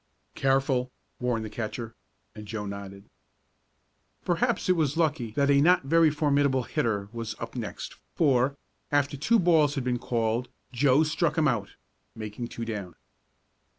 "Careful," warned the catcher, and Joe nodded. Perhaps it was lucky that a not very formidable hitter was up next, for, after two balls had been called, Joe struck him out, making two down.